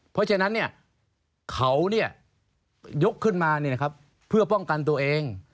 เพราะฉะนั้นเขายกขึ้นมาเพื่อป้องกันตัวเอง